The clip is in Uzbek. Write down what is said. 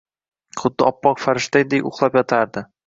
Xuddi oppoq farishtadek uxlab yotardi